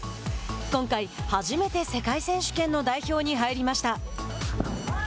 今回初めて世界選手権の代表に入りました。